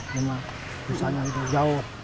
cuma susahnya jauh